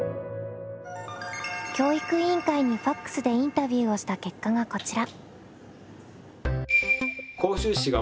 教育委員会にＦＡＸでインタビューをした結果がこちら。